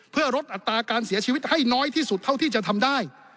เพื่อลดอัตราการเสียชีวิตให้น้อยที่สุดเท่าที่จะทำได้